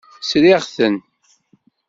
Sriɣ-ten.